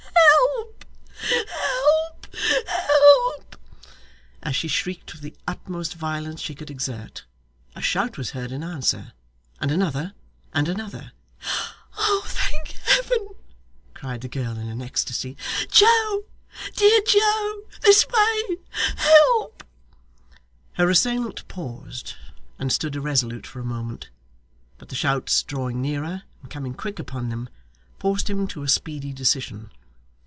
'Help! help! help!' As she shrieked with the utmost violence she could exert, a shout was heard in answer, and another, and another. 'Thank Heaven!' cried the girl in an ecstasy. 'Joe, dear Joe, this way. Help!' Her assailant paused, and stood irresolute for a moment, but the shouts drawing nearer and coming quick upon them, forced him to a speedy decision.